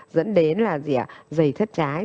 dẫn đến là dày thất trái